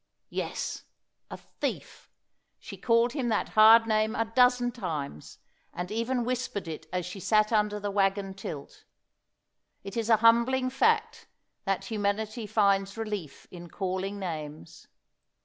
Yes, a thief. She called him that hard name a dozen times, and even whispered it as she sat under the wagon tilt. It is a humbling fact, that humanity finds relief in calling names.